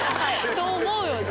そう思うよな